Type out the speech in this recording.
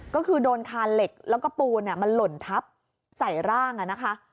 ก็คือโดนคานเหล็กแล้วก็ปูนมันหล่นทับใส่ร่างนะคะ